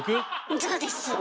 そうです。